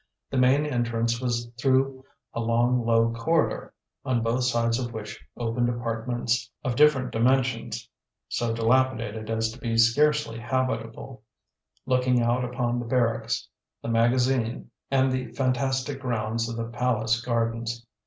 The main entrance was through a long, low corridor, on both sides of which opened apartments of different dimensions, so dilapidated as to be scarcely habitable, looking out upon the barracks, the magazine, and the fantastic grounds of the palace gardens.